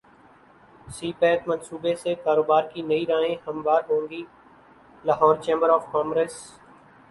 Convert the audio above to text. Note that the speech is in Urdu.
سی پیک منصوبے سے کاروبار کی نئی راہیں ہموار ہوں گی لاہور چیمبر اف کامرس